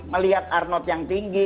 melihat arnaut yang tinggi